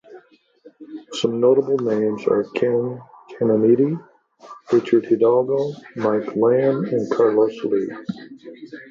Some notable names are Ken Caminiti, Richard Hidalgo, Mike Lamb and Carlos Lee.